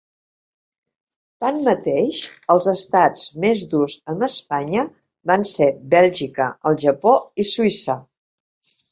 Tanmateix, els estats més durs amb Espanya van ser Bèlgica, el Japó i Suïssa.